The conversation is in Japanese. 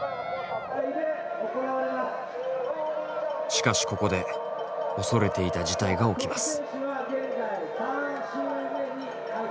しかしここで恐れていた事態が起きます。